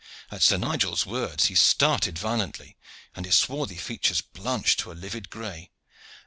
At Sir Nigel's words he started violently, and his swarthy features blanched to a livid gray.